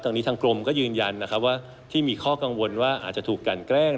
ตอนนี้ทางกรมก็ยืนยันนะครับว่าที่มีข้อกังวลว่าอาจจะถูกกันแกล้ง